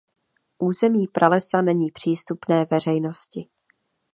Území pralesa není přístupné veřejnosti.